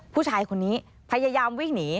ผู้ชายคนนี้พยายามวิ่งหนี